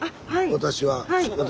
私は。